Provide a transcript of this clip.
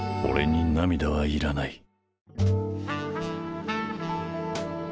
俺に涙はいらない。